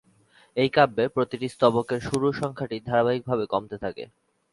এই কাব্যে প্রতিটি স্তবকের শুরুর সংখ্যাটি ধারাবাহিকভাবে কমতে থাকে।